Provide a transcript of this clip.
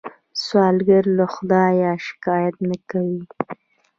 سوالګر له خدایه شکايت نه کوي